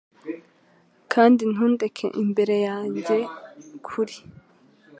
kandi ntundeke imbere yanjye kuri